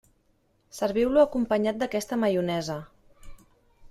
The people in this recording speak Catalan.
Serviu-lo acompanyat d'aquesta maionesa.